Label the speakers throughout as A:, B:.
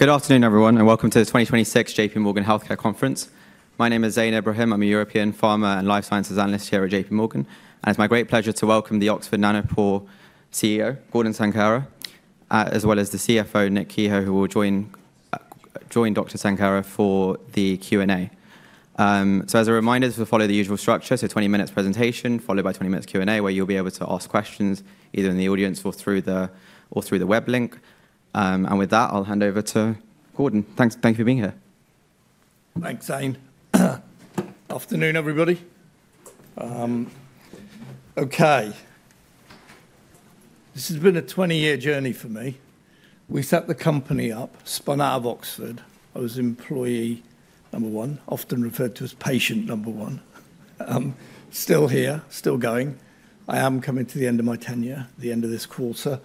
A: Good afternoon, everyone, and welcome to the 2026 JP Morgan Healthcare Conference. My name is Zain Ebrahim. I'm a European Pharma and Life Sciences Analyst here at JP Morgan, and it's my great pleasure to welcome the Oxford Nanopore CEO, Gordon Sanghera, as well as the CFO, Nick Keher, who will join Dr. Sanghera for the Q&A, so, as a reminder, this will follow the usual structure: a 20-minute presentation followed by a 20-minute Q&A, where you'll be able to ask questions either in the audience or through the web link. And with that, I'll hand over to Gordon. Thanks for being here.
B: Thanks, Zain. Afternoon, everybody. Okay, this has been a 20-year journey for me. We set the company up, spun out of Oxford. I was employee number one, often referred to as patient number one. Still here, still going. I am coming to the end of my tenure, the end of this quarter,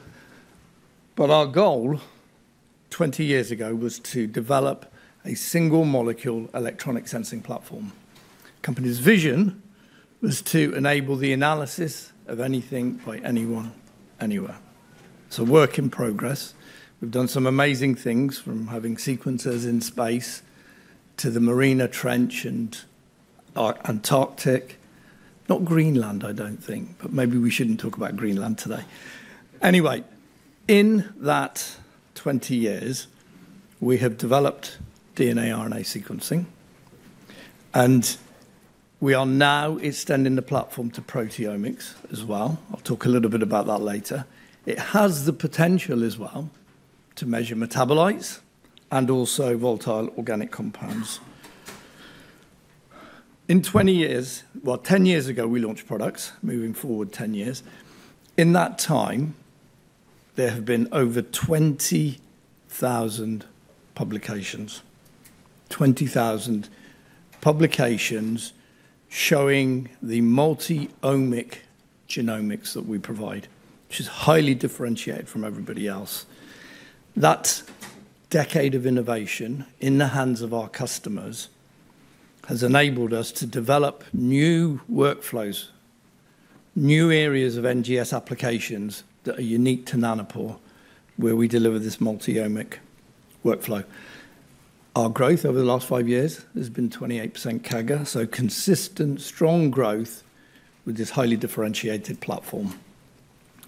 B: but our goal 20 years ago was to develop a single molecule electronic sensing platform. The company's vision was to enable the analysis of anything by anyone, anywhere. It's a work in progress. We've done some amazing things, from having sequencers in space to the Mariana Trench and Antarctic. Not Greenland, I don't think, but maybe we shouldn't talk about Greenland today. Anyway, in that 20 years, we have developed DNA RNA sequencing, and we are now extending the platform to proteomics as well. I'll talk a little bit about that later. It has the potential as well to measure metabolites and also volatile organic compounds. In 20 years, well, 10 years ago, we launched products, moving forward 10 years. In that time, there have been over 20,000 publications showing the multi-omic genomics that we provide, which is highly differentiated from everybody else. That decade of innovation in the hands of our customers has enabled us to develop new workflows, new areas of NGS applications that are unique to Nanopore, where we deliver this multi-omic workflow. Our growth over the last five years has been 28% CAGR, so consistent, strong growth with this highly differentiated platform.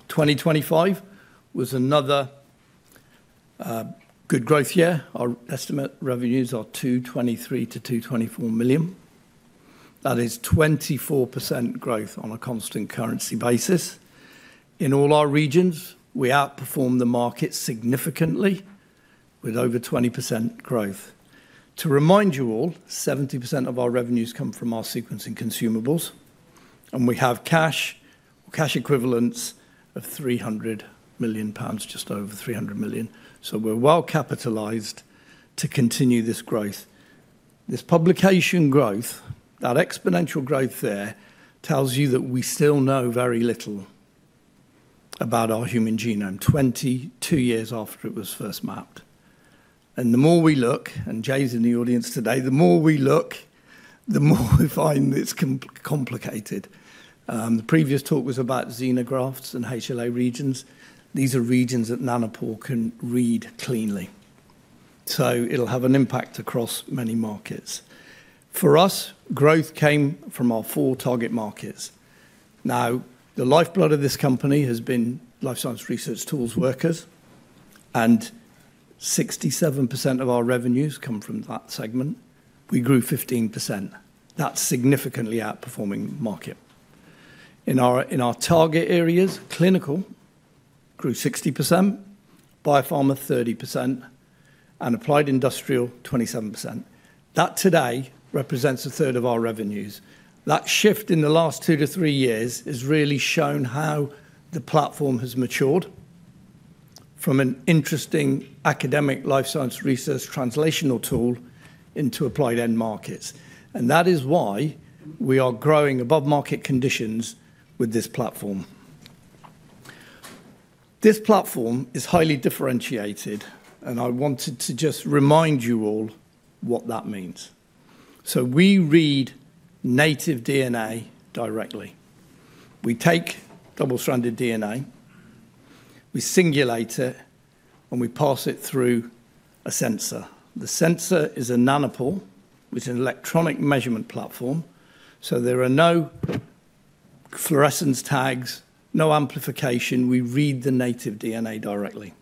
B: 2025 was another good growth year. Our estimated revenues are 223-224 million. That is 24% growth on a constant currency basis. In all our regions, we outperform the market significantly with over 20% growth. To remind you all, 70% of our revenues come from our sequencing consumables, and we have cash equivalents of 300 million pounds, just over 300 million. So we're well capitalized to continue this growth. This publication growth, that exponential growth there, tells you that we still know very little about our human genome, 22 years after it was first mapped, and the more we look, and Jay's in the audience today, the more we look, the more we find it's complicated. The previous talk was about xenografts and HLA regions. These are regions that Nanopore can read cleanly. So it'll have an impact across many markets. For us, growth came from our four target markets. Now, the lifeblood of this company has been life science research tools workers, and 67% of our revenues come from that segment. We grew 15%. That's a significantly outperforming market. In our target areas, clinical grew 60%, biopharma 30%, and applied industrial 27%. That today represents a third of our revenues. That shift in the last two to three years has really shown how the platform has matured from an interesting academic life science research translational tool into applied end markets. And that is why we are growing above market conditions with this platform. This platform is highly differentiated, and I wanted to just remind you all what that means. So we read native DNA directly. We take double-stranded DNA, we singulate it, and we pass it through a sensor. The sensor is a Nanopore, which is an electronic measurement platform. So there are no fluorescence tags, no amplification. We read the native DNA directly,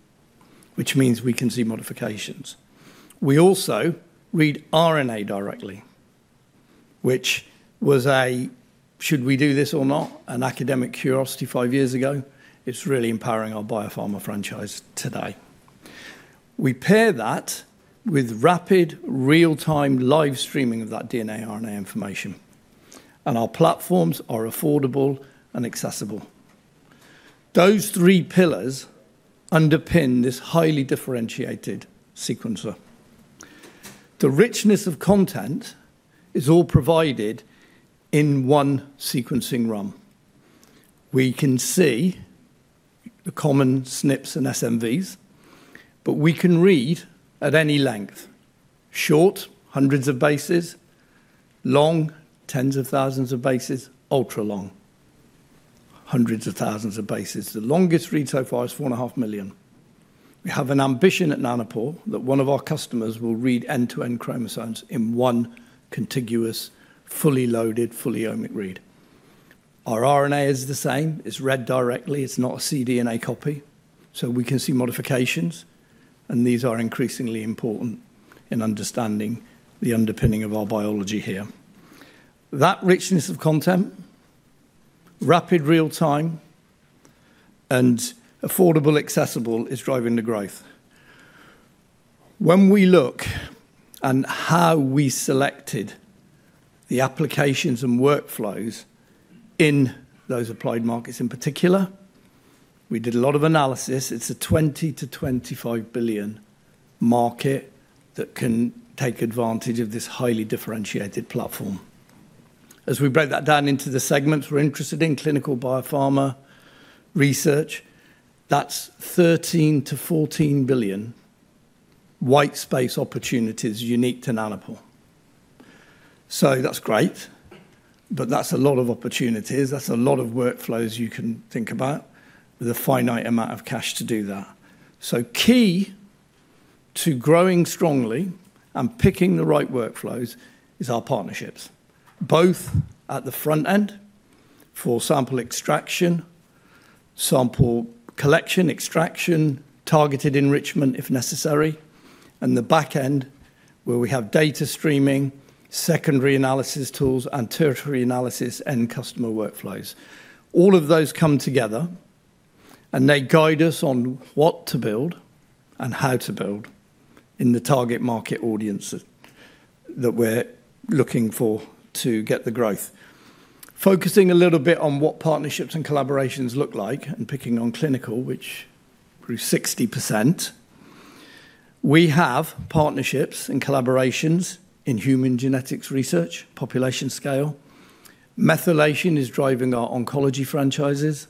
B: which means we can see modifications. We also read RNA directly, which was an academic curiosity five years ago. It's really empowering our biopharma franchise today. We pair that with rapid, real-time live streaming of that DNA RNA information, and our platforms are affordable and accessible. Those three pillars underpin this highly differentiated sequencer. The richness of content is all provided in one sequencing realm. We can see the common SNPs and SNVs, but we can read at any length: short, hundreds of bases; long, tens of thousands of bases; ultra-long, hundreds of thousands of bases. The longest read so far is 4.5 million. We have an ambition at Nanopore that one of our customers will read end-to-end chromosomes in one contiguous, fully loaded, fully omic read. Our RNA is the same. It's read directly. It's not a cDNA copy. So we can see modifications, and these are increasingly important in understanding the underpinning of our biology here. That richness of content, rapid, real-time, and affordable, accessible is driving the growth. When we look at how we selected the applications and workflows in those applied markets in particular, we did a lot of analysis. It's a $20-25 billion market that can take advantage of this highly differentiated platform. As we break that down into the segments we're interested in, clinical biopharma research, that's $13-14 billion white space opportunities unique to Nanopore. So that's great, but that's a lot of opportunities. That's a lot of workflows you can think about with a finite amount of cash to do that. So key to growing strongly and picking the right workflows is our partnerships, both at the front end for sample extraction, sample collection, extraction, targeted enrichment if necessary, and the back end where we have data streaming, secondary analysis tools, and tertiary analysis and customer workflows. All of those come together, and they guide us on what to build and how to build in the target market audience that we're looking for to get the growth. Focusing a little bit on what partnerships and collaborations look like and picking on clinical, which grew 60%, we have partnerships and collaborations in human genetics research, population scale. Methylation is driving our oncology franchises.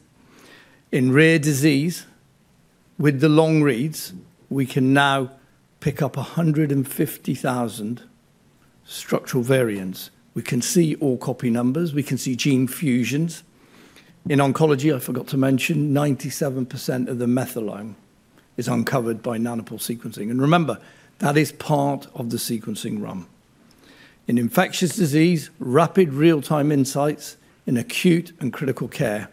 B: In rare disease, with the long reads, we can now pick up 150,000 structural variants. We can see all copy numbers. We can see gene fusions. In oncology, I forgot to mention, 97% of the methylome is uncovered by Nanopore sequencing. And remember, that is part of the sequencing realm. In infectious disease, rapid, real-time insights in acute and critical care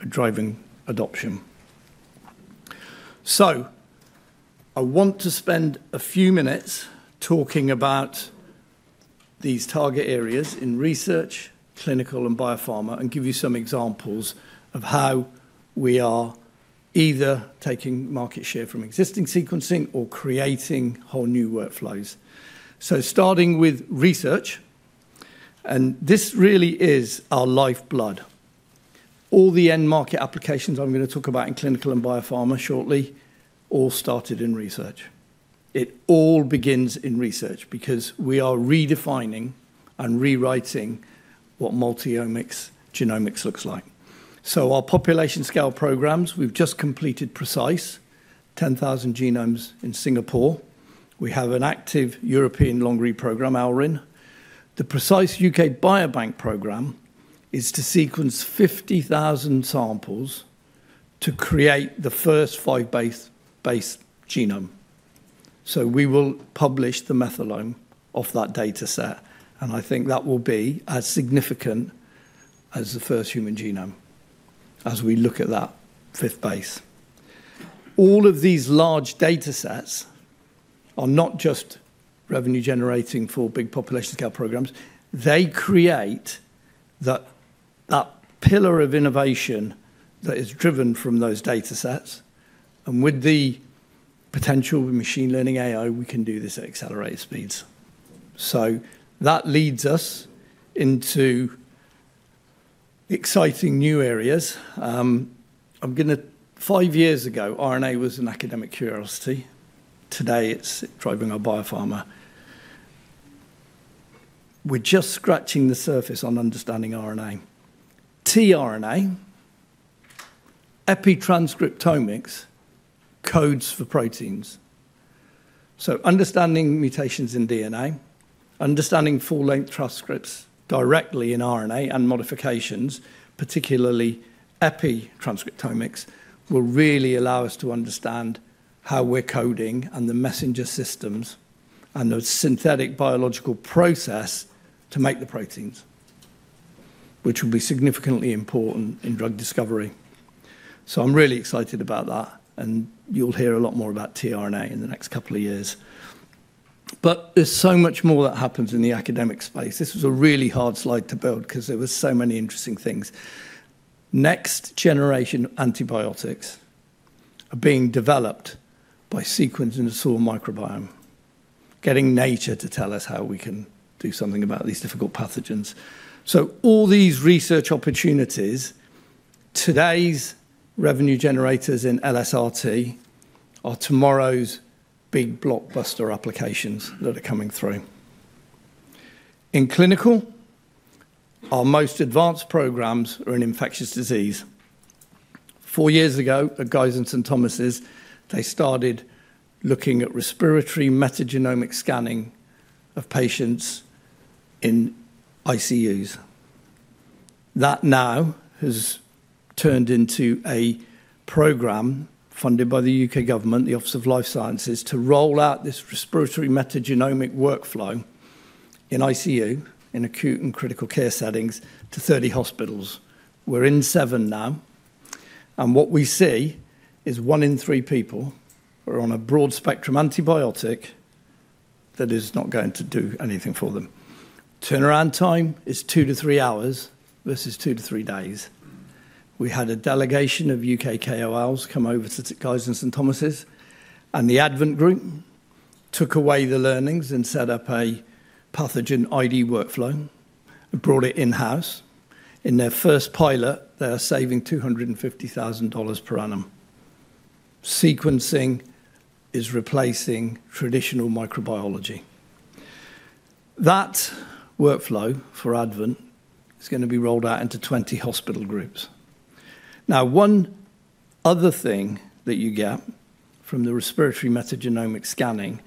B: are driving adoption. So I want to spend a few minutes talking about these target areas in research, clinical, and biopharma and give you some examples of how we are either taking market share from existing sequencing or creating whole new workflows. So starting with research, and this really is our lifeblood. All the end market applications I'm going to talk about in clinical and biopharma shortly all started in research. It all begins in research because we are redefining and rewriting what multi-omics genomics looks like. So our population-scale programs, we've just completed PRECISE, 10,000 genomes in Singapore. We have an active European long-read program, EURIN. The PRECISE, UK Biobank program is to sequence 50,000 samples to create the first five-base genome. So we will publish the methylome off that data set, and I think that will be as significant as the first human genome as we look at that fifth base. All of these large data sets are not just revenue-generating for big population scale programs. They create that pillar of innovation that is driven from those data sets. And with the potential of machine learning AI, we can do this at accelerated speeds. So that leads us into exciting new areas. Five years ago, RNA was an academic curiosity. Today, it's driving our biopharma. We're just scratching the surface on understanding RNA. tRNA, epitranscriptomics, codes for proteins. So understanding mutations in DNA, understanding full-length transcripts directly in RNA and modifications, particularly epitranscriptomics, will really allow us to understand how we're coding and the messenger systems and the synthetic biological process to make the proteins, which will be significantly important in drug discovery. So I'm really excited about that, and you'll hear a lot more about tRNA in the next couple of years. But there's so much more that happens in the academic space. This was a really hard slide to build because there were so many interesting things. Next-generation antibiotics are being developed by sequencing the soil microbiome, getting nature to tell us how we can do something about these difficult pathogens. So all these research opportunities, today's revenue generators in LSRT are tomorrow's big blockbuster applications that are coming through. In clinical, our most advanced programs are in infectious disease. Four years ago at Guy's and St Thomas's, they started looking at respiratory metagenomic scanning of patients in ICUs. That now has turned into a program funded by the UK government, the Office of Life Sciences, to roll out this respiratory metagenomic workflow in ICU, in acute and critical care settings, to 30 hospitals. We're in seven now, and what we see is one in three people are on a broad-spectrum antibiotic that is not going to do anything for them. Turnaround time is two to three hours versus two to three days. We had a delegation of UK KOLs come over to Guy's and St Thomas's, and the Advent Group took away the learnings and set up a pathogen ID workflow and brought it in-house. In their first pilot, they are saving $250,000 per annum. Sequencing is replacing traditional microbiology. That workflow for Advent is going to be rolled out into 20 hospital groups. Now, one other thing that you get from the respiratory metagenomic scanning,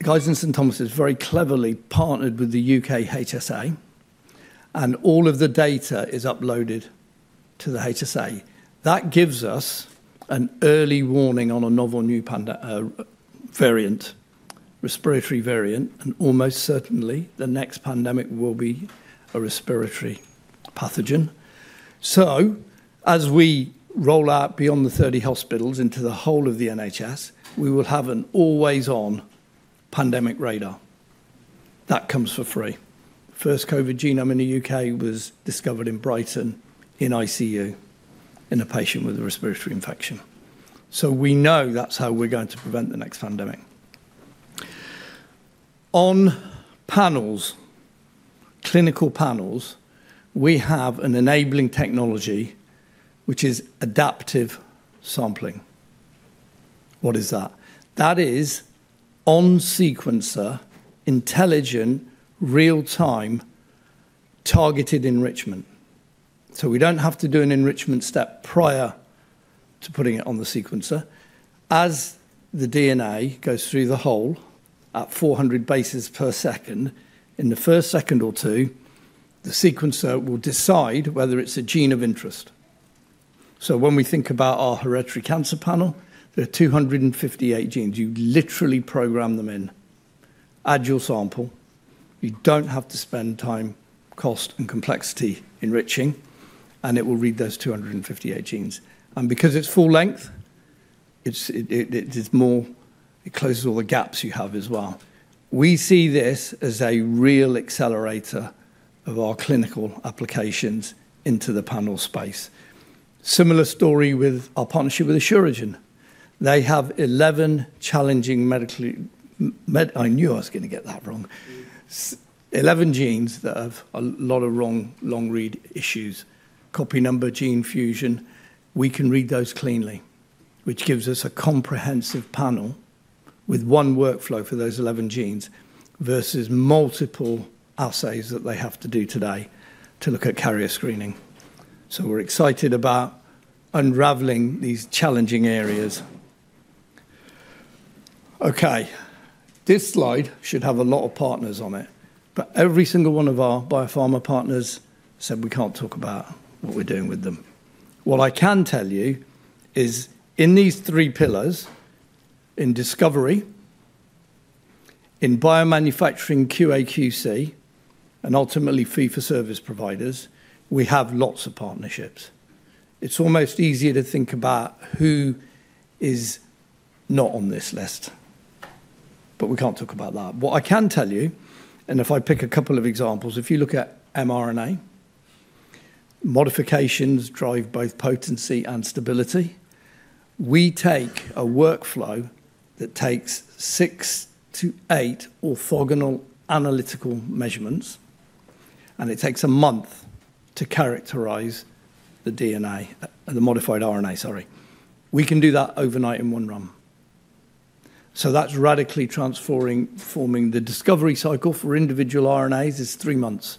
B: Guy's and St Thomas' very cleverly partnered with the UKHSA, and all of the data is uploaded to the UKHSA. That gives us an early warning on a novel new variant, respiratory variant, and almost certainly the next pandemic will be a respiratory pathogen. So as we roll out beyond the 30 hospitals into the whole of the NHS, we will have an always-on pandemic radar. That comes for free. First COVID genome in the U.K. was discovered in Brighton in ICU in a patient with a respiratory infection. So we know that's how we're going to prevent the next pandemic. On clinical panels, we have an enabling technology which is adaptive sampling. What is that? That is on-sequencer, intelligent, real-time targeted enrichment. So we don't have to do an enrichment step prior to putting it on the sequencer. As the DNA goes through the hole at 400 bases per second, in the first second or two, the sequencer will decide whether it's a gene of interest. So when we think about our hereditary cancer panel, there are 258 genes. You literally program them in. Add your sample. You don't have to spend time, cost, and complexity enriching, and it will read those 258 genes. And because it's full-length, it closes all the gaps you have as well. We see this as a real accelerator of our clinical applications into the panel space. Similar story with our partnership with Asuragen. They have 11 challenging medical - I knew I was going to get that wrong - 11 genes that have a lot of wrong long-read issues, copy number, gene fusion. We can read those cleanly, which gives us a comprehensive panel with one workflow for those 11 genes versus multiple assays that they have to do today to look at carrier screening. So we're excited about unraveling these challenging areas. Okay. This slide should have a lot of partners on it, but every single one of our biopharma partners said we can't talk about what we're doing with them. What I can tell you is in these three pillars, in discovery, in biomanufacturing, QA/QC, and ultimately fee-for-service providers, we have lots of partnerships. It's almost easier to think about who is not on this list, but we can't talk about that. What I can tell you, and if I pick a couple of examples, if you look at mRNA, modifications drive both potency and stability. We take a workflow that takes six to eight orthogonal analytical measurements, and it takes a month to characterize the DNA and the modified RNA, sorry. We can do that overnight in one run, so that's radically transforming the discovery cycle for individual RNAs. It's three months.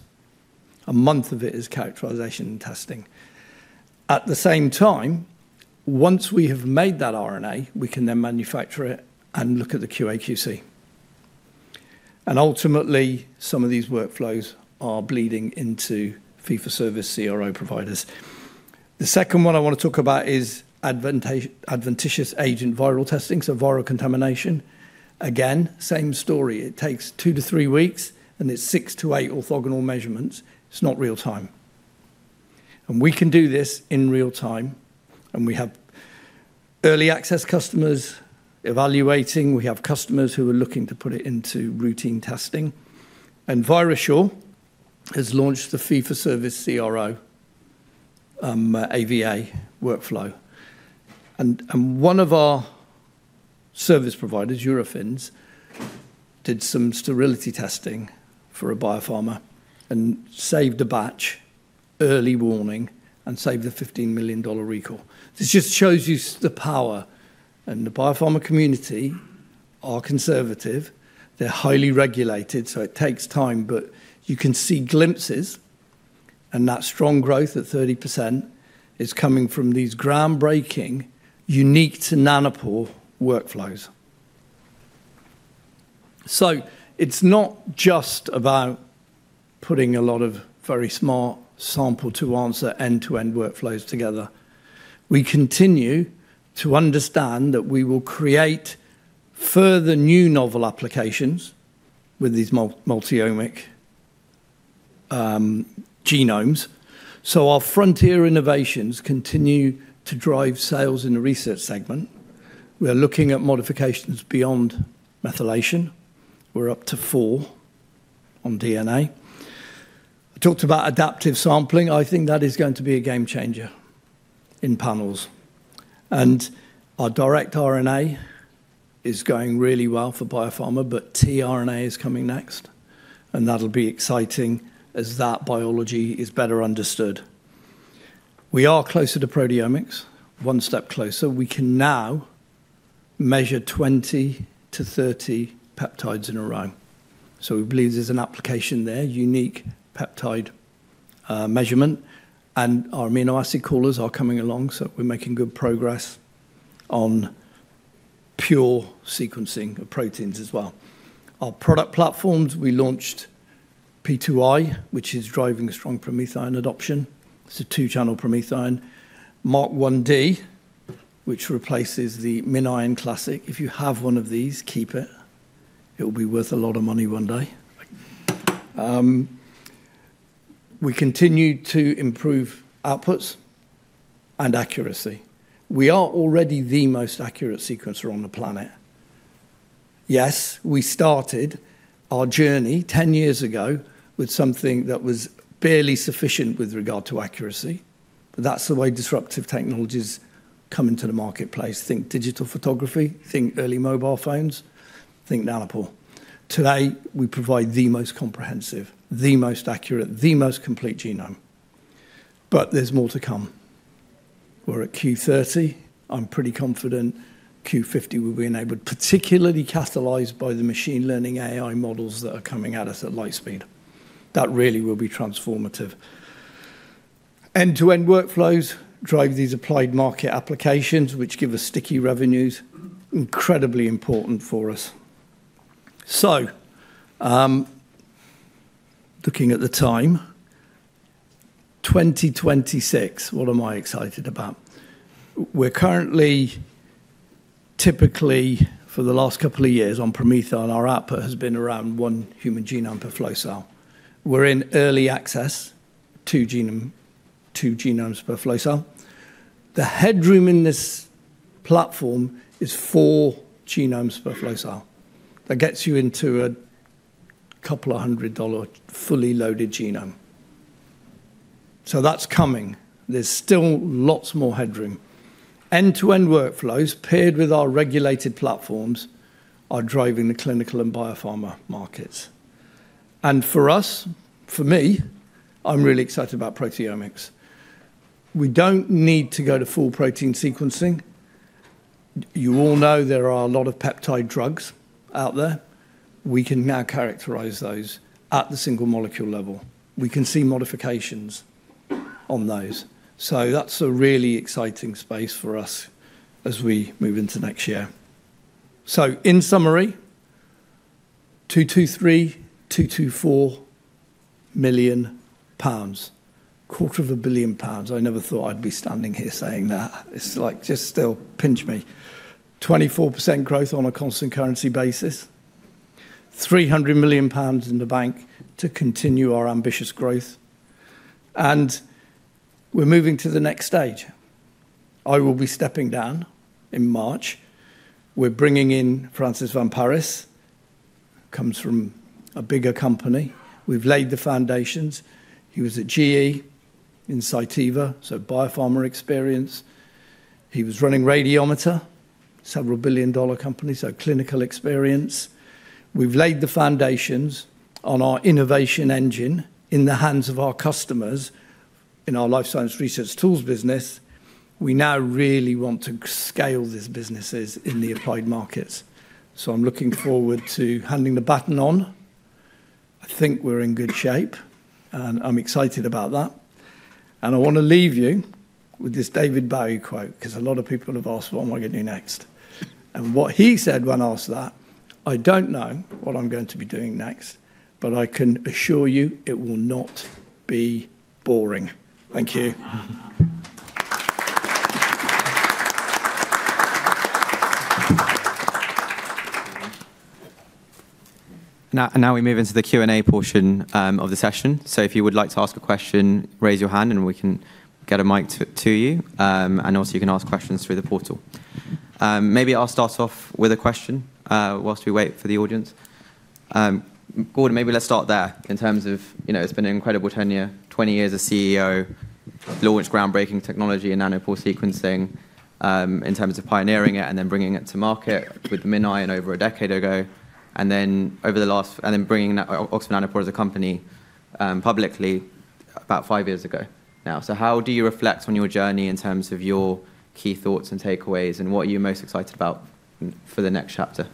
B: A month of it is characterization and testing. At the same time, once we have made that RNA, we can then manufacture it and look at the QA/QC. And ultimately, some of these workflows are bleeding into fee-for-service CRO providers. The second one I want to talk about is adventitious agent viral testing, so viral contamination. Again, same story. It takes two to three weeks, and it's six to eight orthogonal measurements. It's not real-time, and we can do this in real-time, and we have early access customers evaluating. We have customers who are looking to put it into routine testing. ViruSure has launched the fee-for-service CRO AVA workflow. One of our service providers, Eurofins, did some sterility testing for a biopharma and saved a batch early warning and saved a $15 million recall. This just shows you the power. The biopharma community are conservative. They're highly regulated, so it takes time, but you can see glimpses, and that strong growth at 30% is coming from these groundbreaking, unique-to-Nanopore workflows. It's not just about putting a lot of very smart sample-to-answer end-to-end workflows together. We continue to understand that we will create further new novel applications with these multi-omic genomes. Our frontier innovations continue to drive sales in the research segment. We're looking at modifications beyond methylation. We're up to four on DNA. I talked about adaptive sampling. I think that is going to be a game changer in panels. Our direct RNA is going really well for biopharma, but tRNA is coming next, and that'll be exciting as that biology is better understood. We are closer to proteomics, one step closer. We can now measure 20-30 peptides in a row. So we believe there's an application there, unique peptide measurement. And our amino acid callers are coming along, so we're making good progress on pure sequencing of proteins as well. Our product platforms, we launched P2i, which is driving strong PromethION adoption. It's a two-channel PromethION. Mark 1D, which replaces the MinION Classic. If you have one of these, keep it. It will be worth a lot of money one day. We continue to improve outputs and accuracy. We are already the most accurate sequencer on the planet. Yes, we started our journey 10 years ago with something that was barely sufficient with regard to accuracy, but that's the way disruptive technologies come into the marketplace. Think digital photography, think early mobile phones, think nanopore. Today, we provide the most comprehensive, the most accurate, the most complete genome. But there's more to come. We're at Q30. I'm pretty confident Q50 will be enabled, particularly catalyzed by the machine learning AI models that are coming at us at light speed. That really will be transformative. End-to-end workflows drive these applied market applications, which give us sticky revenues, incredibly important for us. So looking at the time, 2026, what am I excited about? We're currently, typically, for the last couple of years, on PromethION. Our output has been around one human genome per flow cell. We're in early access, two genomes per flow cell. The headroom in this platform is four genomes per flow cell. That gets you into a couple of hundred dollar fully loaded genome, so that's coming. There's still lots more headroom. End-to-end workflows paired with our regulated platforms are driving the clinical and biopharma markets. And for us, for me, I'm really excited about proteomics. We don't need to go to full protein sequencing. You all know there are a lot of peptide drugs out there. We can now characterize those at the single molecule level. We can see modifications on those. That's a really exciting space for us as we move into next year. In summary, 223 million pounds, 224 million pounds, 250 million pounds. I never thought I'd be standing here saying that. It's like just still pinch me. 24% growth on a constant currency basis, 300 million pounds in the bank to continue our ambitious growth. We're moving to the next stage. I will be stepping down in March. We're bringing in Francis Van Parys. Comes from a bigger company. We've laid the foundations. He was at Cytiva, so biopharma experience. He was running Radiometer, several billion-dollar company, so clinical experience. We've laid the foundations on our innovation engine in the hands of our customers in our life science research tools business. We now really want to scale these businesses in the applied markets. I'm looking forward to handing the baton on. I think we're in good shape, and I'm excited about that. I want to leave you with this David Bowie quote because a lot of people have asked, "What am I going to do next?" And what he said when I asked that, "I don't know what I'm going to be doing next, but I can assure you it will not be boring." Thank you.
A: Now we move into the Q&A portion of the session. If you would like to ask a question, raise your hand, and we can get a mic to you. Also, you can ask questions through the portal. Maybe I'll start off with a question whilst we wait for the audience. Gordon, maybe let's start there in terms of. It's been an incredible tenure, 20 years as CEO, launched groundbreaking technology in Nanopore sequencing in terms of pioneering it and then bringing it to market with MinION over a decade ago. Bringing Oxford Nanopore as a company publicly about five years ago now. So how do you reflect on your journey in terms of your key thoughts and takeaways, and what are you most excited about for the next chapter?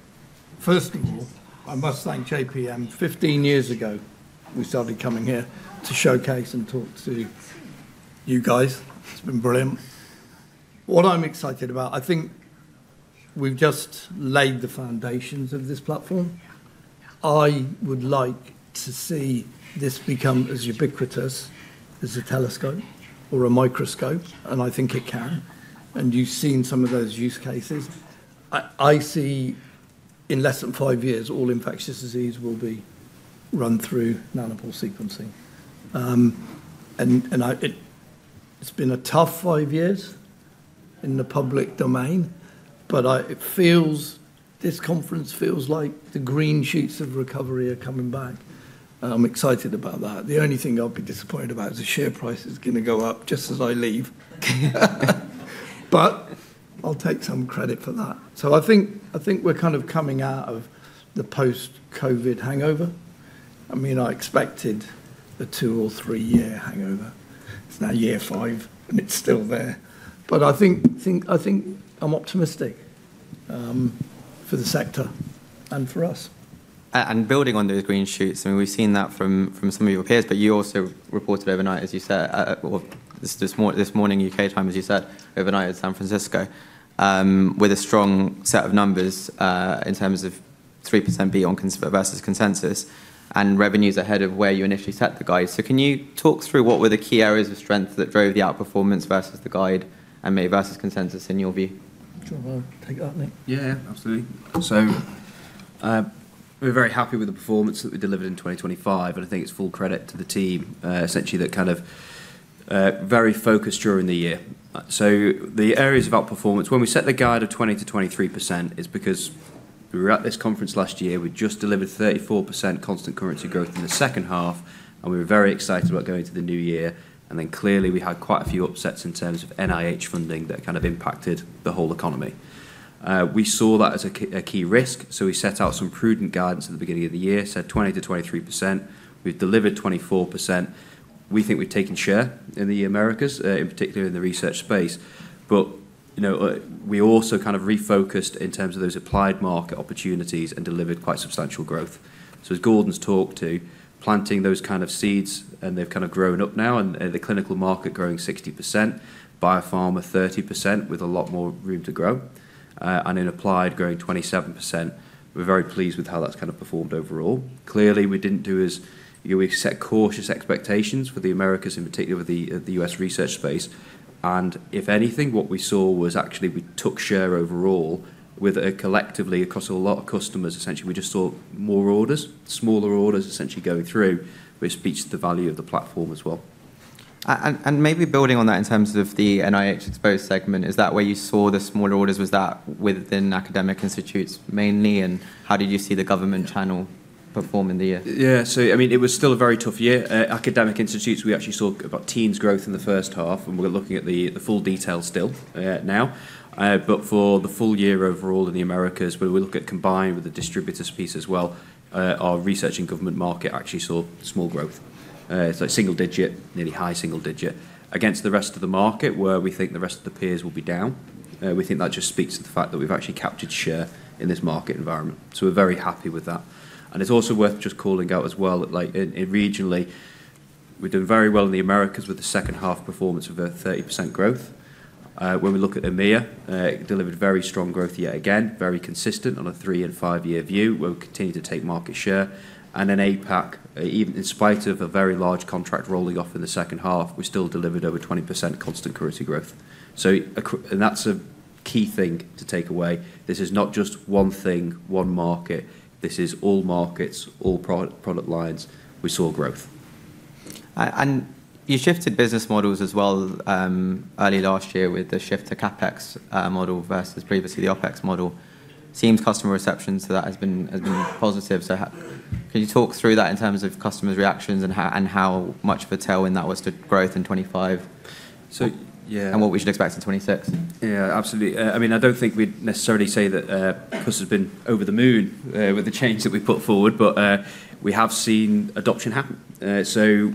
B: First of all, I must thank JPM. 15 years ago, we started coming here to showcase and talk to you guys. It's been brilliant. What I'm excited about, I think we've just laid the foundations of this platform. I would like to see this become as ubiquitous as a telescope or a microscope, and I think it can. You've seen some of those use cases. I see in less than five years, all infectious disease will be run through Nanopore sequencing. And it's been a tough five years in the public domain, but this conference feels like the green shoots of recovery are coming back. I'm excited about that. The only thing I'll be disappointed about is the share price is going to go up just as I leave. But I'll take some credit for that. So I think we're kind of coming out of the post-COVID hangover. I mean, I expected a two or three-year hangover. It's now year five, and it's still there. But I think I'm optimistic for the sector and for us.
C: Building on those green shoots, I mean, we've seen that from some of your peers, but you also reported overnight, as you said, this morning UK time, as you said, overnight at San Francisco with a strong set of numbers in terms of 3% beyond versus consensus and revenues ahead of where you initially set the guide. Can you talk through what were the key areas of strength that drove the outperformance versus the guide and made versus consensus in your view?
D: Sure. I'll take that, Nick. Yeah, yeah, absolutely. We're very happy with the performance that we delivered in 2025, and I think it's full credit to the team, essentially, that kind of very focused during the year. The areas of outperformance, when we set the guide of 20%-23%, it's because we were at this conference last year. We just delivered 34% constant currency growth in the second half, and we were very excited about going to the new year, and then clearly, we had quite a few upsets in terms of NIH funding that kind of impacted the whole economy. We saw that as a key risk, so we set out some prudent guidance at the beginning of the year, said 20%-23%. We've delivered 24%. We think we've taken share in the Americas, in particular in the research space, but we also kind of refocused in terms of those applied market opportunities and delivered quite substantial growth, so as Gordon's talked to, planting those kind of seeds, and they've kind of grown up now, and the clinical market growing 60%, biopharma 30% with a lot more room to grow, and in applied, growing 27%. We're very pleased with how that's kind of performed overall. Clearly, we didn't do as we set cautious expectations for the Americas, in particular with the U.S. research space. And if anything, what we saw was actually we took share overall with a collectively across a lot of customers, essentially. We just saw more orders, smaller orders essentially going through, which speaks to the value of the platform as well.
C: And maybe building on that in terms of the NIH exposed segment, is that where you saw the smaller orders? Was that within academic institutes mainly, and how did you see the government channel perform in the year?
D: Yeah. So I mean, it was still a very tough year. Academic institutes, we actually saw about teens growth in the first half, and we're looking at the full detail still now. But for the full year overall in the Americas, when we look at combined with the distributors piece as well, our research and government market actually saw small growth. It's like single digit, nearly high single digit against the rest of the market where we think the rest of the peers will be down. We think that just speaks to the fact that we've actually captured share in this market environment. So we're very happy with that. And it's also worth just calling out as well that regionally, we're doing very well in the Americas with the second half performance of a 30% growth. When we look at EMEA, it delivered very strong growth yet again, very consistent on a three and five-year view. We'll continue to take market share. Then APAC, even in spite of a very large contract rolling off in the second half, we still delivered over 20% constant currency growth. So that's a key thing to take away. This is not just one thing, one market. This is all markets, all product lines. We saw growth.
C: And you shifted business models as well early last year with the shift to CAPEX model versus previously the OPEX model. Seems customer reception to that has been positive. So can you talk through that in terms of customer's reactions and how much of a tailwind that was to growth in 2025? And what we should expect in 2026?
D: Yeah, absolutely. I mean, I don't think we'd necessarily say that this has been over the moon with the change that we put forward, but we have seen adoption happen. So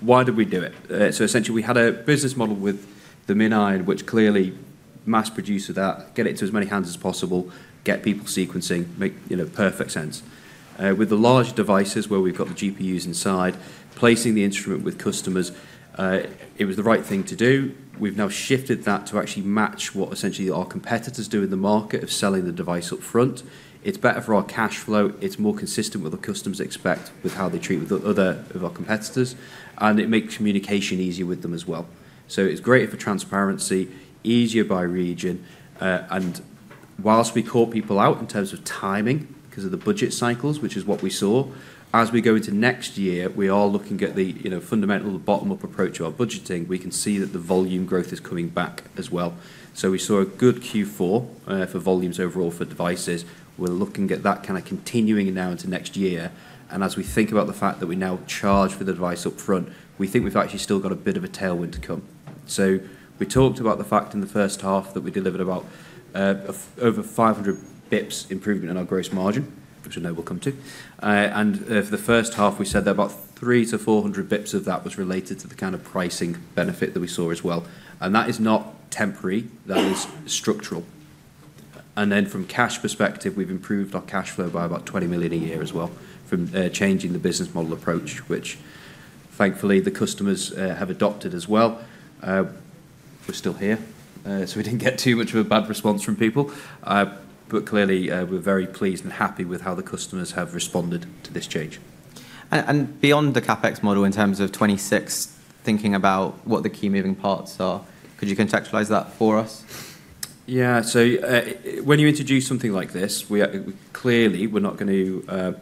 D: why did we do it? So, essentially, we had a business model with the MinION, which clearly mass produce with that, get it to as many hands as possible, get people sequencing, make perfect sense. With the large devices where we've got the GPUs inside, placing the instrument with customers, it was the right thing to do. We've now shifted that to actually match what essentially our competitors do in the market of selling the device upfront. It's better for our cash flow. It's more consistent with what customers expect with how they treat with our competitors, and it makes communication easier with them as well, so it's great for transparency, easier by region, and while we caught people out in terms of timing because of the budget cycles, which is what we saw, as we go into next year, we are looking at the fundamental, the bottom-up approach of our budgeting. We can see that the volume growth is coming back as well. So we saw a good Q4 for volumes overall for devices. We're looking at that kind of continuing now into next year. And as we think about the fact that we now charge for the device upfront, we think we've actually still got a bit of a tailwind to come. So we talked about the fact in the first half that we delivered about over 500 basis points improvement in our gross margin, which I know we'll come to. And for the first half, we said that about 3 to 400 basis points of that was related to the kind of pricing benefit that we saw as well. And that is not temporary. That is structural. And then from a cash perspective, we've improved our cash flow by about 20 million a year as well from changing the business model approach, which thankfully the customers have adopted as well. We're still here. So we didn't get too much of a bad response from people. But clearly, we're very pleased and happy with how the customers have responded to this change.
C: And beyond the CAPEX model in terms of 2026, thinking about what the key moving parts are, could you contextualize that for us?
D: Yeah. So when you introduce something like this, clearly, we're not going to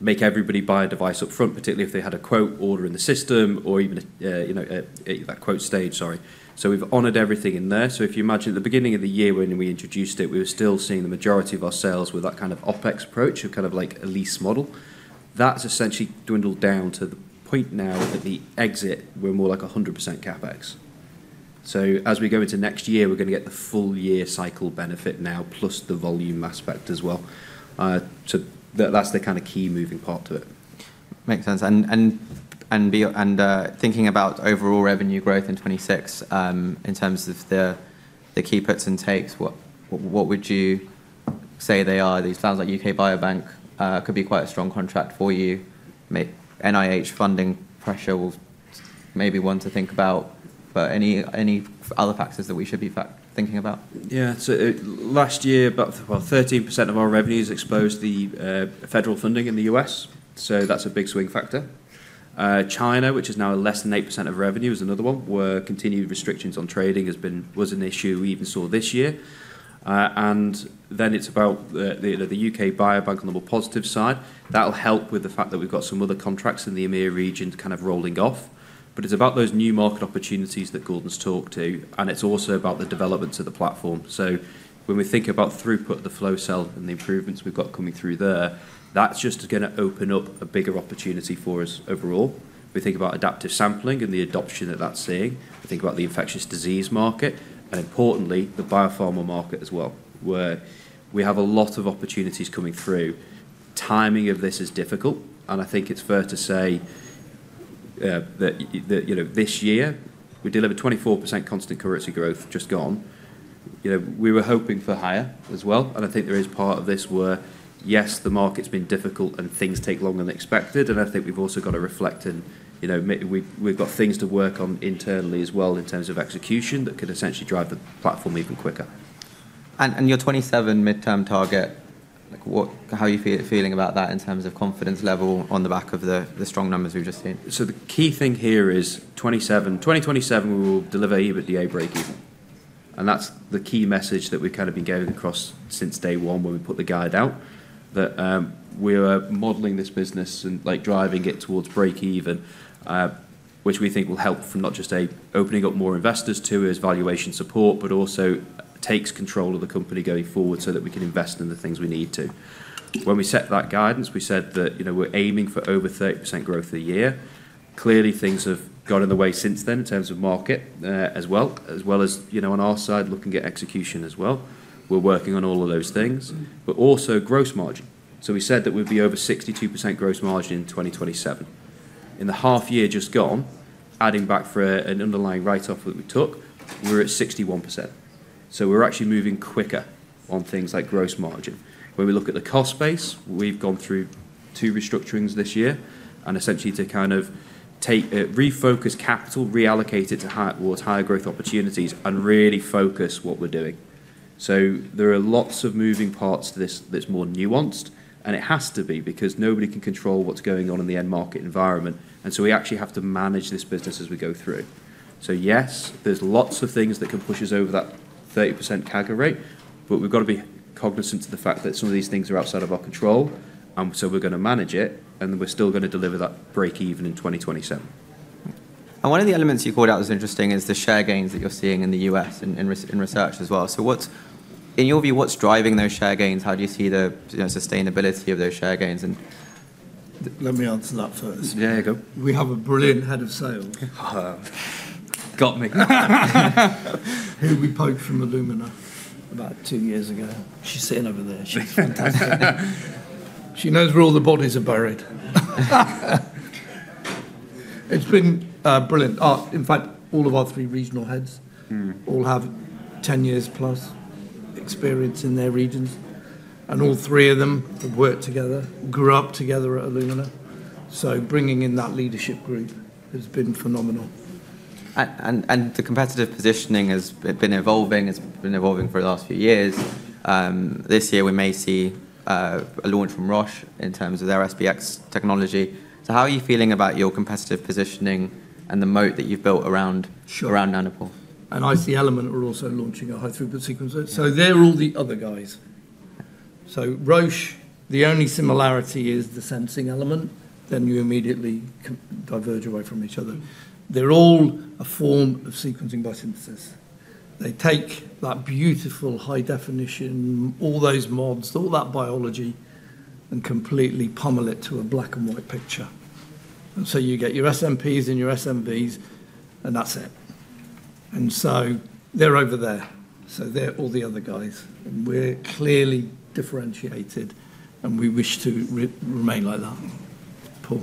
D: make everybody buy a device upfront, particularly if they had a quote order in the system or even at that quote stage, sorry. So we've honored everything in there. So if you imagine at the beginning of the year when we introduced it, we were still seeing the majority of our sales with that kind of OpEx approach, kind of like a lease model. That's essentially dwindled down to the point now at the exit, we're more like 100% CapEx. So as we go into next year, we're going to get the full year cycle benefit now, plus the volume aspect as well. So that's the kind of key moving part to it.
C: Makes sense. And thinking about overall revenue growth in 2026 in terms of the key puts and takes, what would you say they are? These sounds like UK Biobank could be quite a strong contract for you. NIH funding pressure will maybe one to think about, but any other factors that we should be thinking about?
D: Yeah. Last year, about 13% of our revenues exposed to the federal funding in the U.S. That's a big swing factor. China, which is now less than 8% of revenue, is another one. Continued restrictions on trading was an issue we even saw this year. Then it's about the UK Biobank on the more positive side. That'll help with the fact that we've got some other contracts in the EMEA region kind of rolling off. It's about those new market opportunities that Gordon's talked about. It's also about the developments of the platform. When we think about throughput, the flow cell, and the improvements we've got coming through there, that's just going to open up a bigger opportunity for us overall. We think about adaptive sampling and the adoption that's seeing. We think about the infectious disease market, and importantly, the biopharma market as well. We have a lot of opportunities coming through. Timing of this is difficult. And I think it's fair to say that this year, we delivered 24% constant currency growth just gone. We were hoping for higher as well. And I think there is part of this where, yes, the market's been difficult and things take longer than expected. And I think we've also got to reflect in we've got things to work on internally as well in terms of execution that could essentially drive the platform even quicker.
C: And your 2027 midterm target, how are you feeling about that in terms of confidence level on the back of the strong numbers we've just seen?
D: So the key thing here is 2027, we will deliver EBITDA break-even. And that's the key message that we've kind of been going across since day one when we put the guide out, that we are modeling this business and driving it towards break-even, which we think will help from not just opening up more investors to as valuation support, but also takes control of the company going forward so that we can invest in the things we need to. When we set that guidance, we said that we're aiming for over 30% growth a year. Clearly, things have got in the way since then in terms of market as well, as well as on our side looking at execution as well. We're working on all of those things, but also gross margin. So we said that we'd be over 62% gross margin in 2027. In the half year just gone, adding back for an underlying write-off that we took, we're at 61%, so we're actually moving quicker on things like gross margin. When we look at the cost space, we've gone through two restructurings this year, and essentially to kind of refocus capital, reallocate it towards higher growth opportunities, and really focus what we're doing, so there are lots of moving parts to this that's more nuanced, and it has to be because nobody can control what's going on in the end market environment, and so we actually have to manage this business as we go through, so yes, there's lots of things that can push us over that 30% CAGR rate, but we've got to be cognizant of the fact that some of these things are outside of our control. And so we're going to manage it, and we're still going to deliver that break-even in 2027. And one of the elements you called out as interesting is the share gains that you're seeing in the U.S. in research as well. So in your view, what's driving those share gains? How do you see the sustainability of those share gains?
B: Let me answer that first. There you go. We have a brilliant head of sales. Got me. Who we poached from Illumina about two years ago. She's sitting over there. She knows where all the bodies are buried. It's been brilliant. In fact, all of our three regional heads all have 10 years plus experience in their regions. And all three of them have worked together, grew up together at Illumina. So bringing in that leadership group has been phenomenal.
D: And the competitive positioning has been evolving. It's been evolving for the last few years. This year, we may see a launch from Roche in terms of their SBX technology, so how are you feeling about your competitive positioning and the moat that you've built around Nanopore,
B: and I see Element are also launching a high-throughput sequencer, so they're all the other guys. So Roche, the only similarity is the sensing element. Then you immediately diverge away from each other. They're all a form of sequencing by synthesis. They take that beautiful high definition, all those mods, all that biology, and completely pummel it to a black and white picture, and so you get your SNPs and your SNVs, and that's it, and so they're over there, so they're all the other guys, and we're clearly differentiated, and we wish to remain like that.
E: Paul,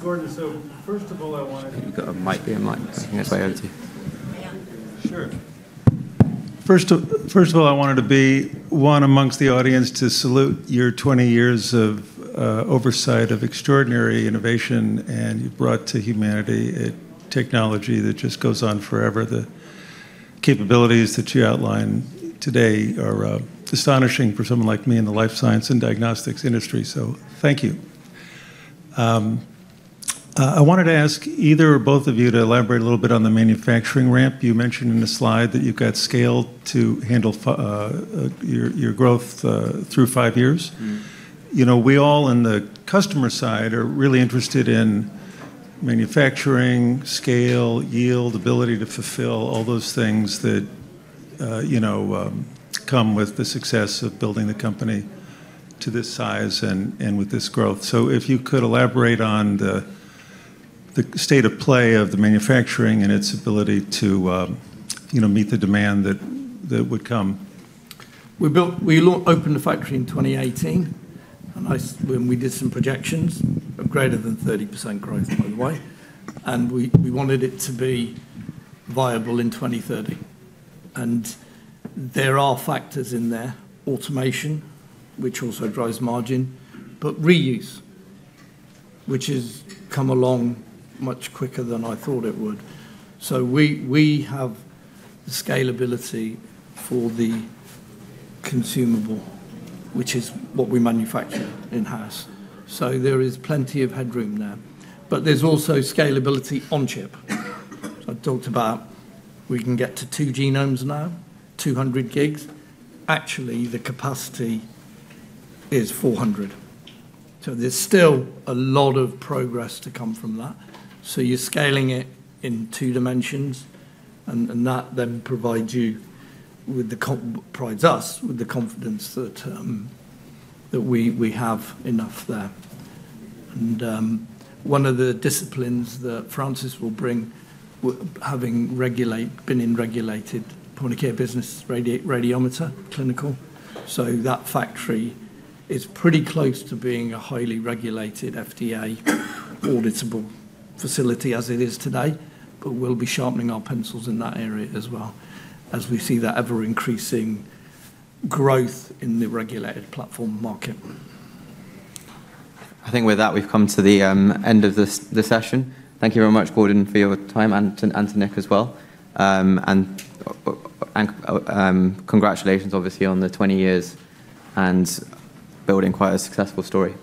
E: Gordon, so first of all, I wanted to—
D: You've got a mic. Be alright.
E: I'm going to play it to you. Sure. First of all, I wanted to be one amongst the audience to salute your 20 years of oversight of extraordinary innovation and you've brought to humanity a technology that just goes on forever. The capabilities that you outlined today are astonishing for someone like me in the life science and diagnostics industry. So thank you. I wanted to ask either or both of you to elaborate a little bit on the manufacturing ramp. You mentioned in the slide that you've got scale to handle your growth through five years. We all on the customer side are really interested in manufacturing, scale, yield, ability to fulfill, all those things that come with the success of building the company to this size and with this growth. So if you could elaborate on the state of play of the manufacturing and its ability to meet the demand that would come?
B: We opened the factory in 2018, and we did some projections of greater than 30% growth, by the way. And we wanted it to be viable in 2030. And there are factors in there, automation, which also drives margin, but reuse, which has come along much quicker than I thought it would. So we have the scalability for the consumable, which is what we manufacture in-house. So there is plenty of headroom there. But there's also scalability on chip. I talked about we can get to two genomes now, 200 gigs. Actually, the capacity is 400. So there's still a lot of progress to come from that. So you're scaling it in two dimensions, and that then provides us with the confidence that we have enough there. One of the disciplines that Francis will bring, having been in regulated point of care business, Radiometer, clinical. That factory is pretty close to being a highly regulated FDA auditable facility as it is today, but we'll be sharpening our pencils in that area as well as we see that ever-increasing growth in the regulated platform market.
A: I think with that, we've come to the end of the session. Thank you very much, Gordon, for your time and to Nick as well. Congratulations, obviously, on the 20 years and building quite a successful story.